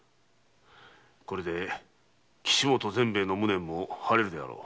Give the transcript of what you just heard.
これで岸本善兵衛の無念も晴れるであろう。